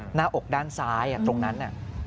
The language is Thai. หน้าอกด้านซ้ายตรงนั้น